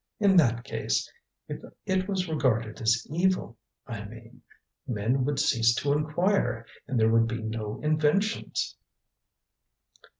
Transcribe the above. "In that case if it was regarded as evil, I mean men would cease to inquire and there would be no inventions."